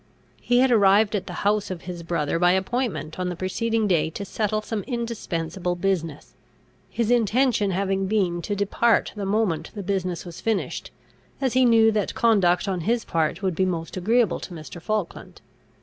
He had arrived at the house of his brother by appointment on the preceding day to settle some indispensable business, his intention having been to depart the moment the business was finished, as he knew that conduct on his part would be most agreeable to Mr. Falkland.